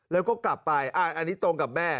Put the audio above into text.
แล้วก็กลับไปอันนี้ตรงกับแม่